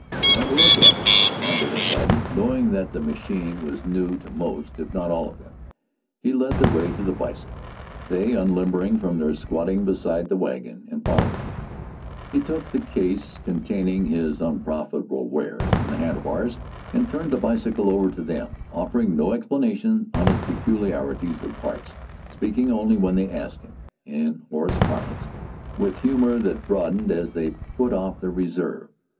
"Have a look at it," Lambert invited, knowing that the machine was new to most, if not all, of them. He led the way to the bicycle, they unlimbering from their squatting beside the wagon and following. He took the case containing his unprofitable wares from the handlebars and turned the bicycle over to them, offering no explanations on its peculiarities or parts, speaking only when they asked him, in horse parlance, with humor that broadened as they put off their reserve.